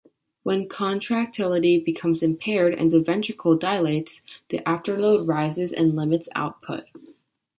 When contractility becomes impaired and the ventricle dilates, the afterload rises and limits output.